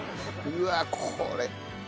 うわっこれ。